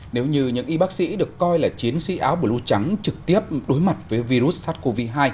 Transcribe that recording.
nếu như những y bác sĩ được coi là chiến sĩ áo blue trắng trực tiếp đối mặt với virus sars cov hai